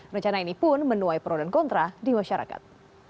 rencana ini pun menuai pro dan kontra di masyarakat